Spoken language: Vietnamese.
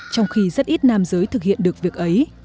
trong khi rất ít nam giới thực hiện được việc ấy